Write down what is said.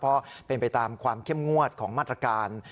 เพราะเป็นไปตามความเข้มงวดของมาตรการ